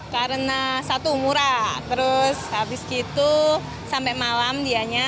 karena satu umurah terus habis itu sampai malam dianya